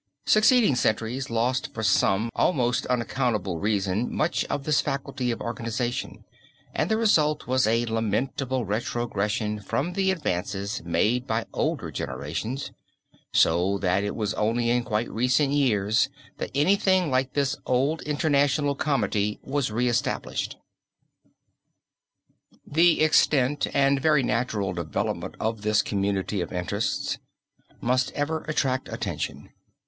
Succeeding centuries lost for some almost unaccountable reason much of this faculty of organization and the result was a lamentable retrogression from the advances made by older generations, so that it was only in quite recent years that anything like this old international comity was reestablished. {opp422} RATHHAUS (LÜBECK) The extent and very natural development of this community of interests must ever attract attention.